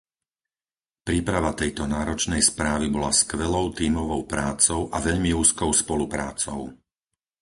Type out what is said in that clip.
Príprava tejto náročnej správy bola skvelou tímovou prácou a veľmi úzkou spoluprácou..